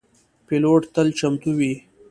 پیلوټ تل چمتو وي.